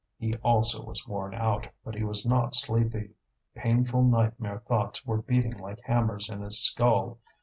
He also was worn out, but he was not sleepy; painful nightmare thoughts were beating like hammers in his skull.